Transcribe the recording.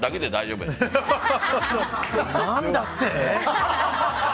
何だって？